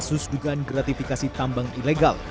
kasus dugaan gratifikasi tambang ilegal